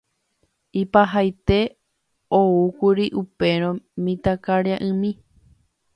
Ipahaite oúkuri upérõ mitãkaria'ymi.